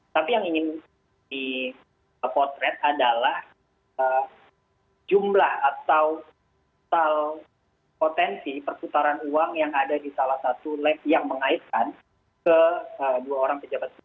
tapi yang ingin dipotret adalah jumlah atau potensi perputaran uang yang ada di salah satu lab yang mengaitkan ke dua orang pejabat